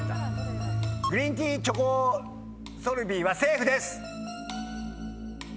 グリーンティーチョコソルビンはセーフです。